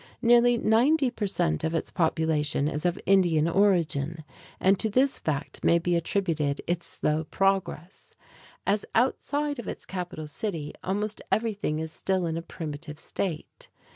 Nearly ninety per cent. of its population is of Indian origin, and to this fact may be attributed its slow progress; as outside of its capital city, almost everything is still in a primitive state.